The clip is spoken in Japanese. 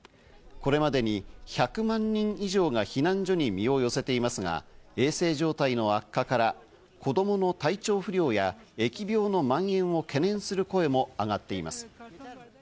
これまでに１００万人以上が避難所に身を寄せていますが、衛生状態の悪化から、子供の体調不良や疫病のまん延を懸念する声も上がっています。